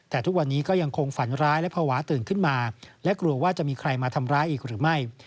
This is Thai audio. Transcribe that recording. แต่ทุกวันนี้ก็ยังคงฝันร้ายและภาวะตื่นขึ้นมาและกลัวว่าจะมีใครมาทำร้ายอีกหรือไม่